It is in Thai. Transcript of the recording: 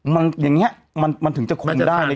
มันอย่างเงี้ยมันมันถึงจะคงได้มันจะทัน